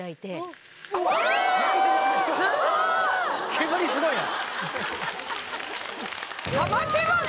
煙すごいな。